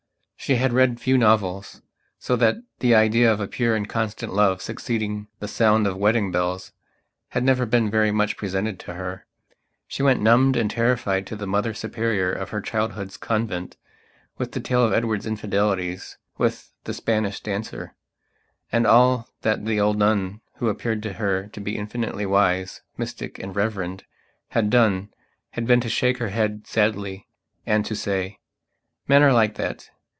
She had read few novels, so that the idea of a pure and constant love succeeding the sound of wedding bells had never been very much presented to her. She went, numbed and terrified, to the Mother Superior of her childhood's convent with the tale of Edward's infidelities with the Spanish dancer, and all that the old nun, who appeared to her to be infinitely wise, mystic and reverend, had done had been to shake her head sadly and to say: "Men are like that.